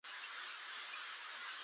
ورزش کوه ، تر څو سالم پاته سې